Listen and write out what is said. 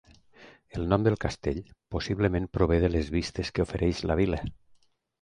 El nom del castell possiblement prové de les vistes que ofereix la vila.